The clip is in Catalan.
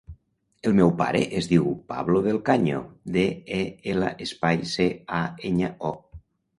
El meu pare es diu Pablo Del Caño: de, e, ela, espai, ce, a, enya, o.